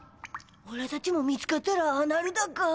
おらたちも見つかったらああなるだか。